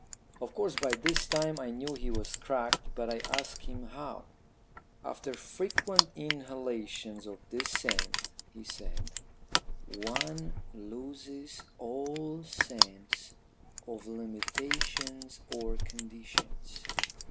"Of course by this time I knew he was cracked, but I asked him how. "'After frequent inhalations of this scent,' he said, 'one loses all sense of limitations or conditions.